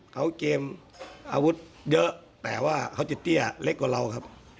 เขาเกมอาวุธเยอะแต่ว่าเขาจะเตี้ยเล็กกว่าเราครับ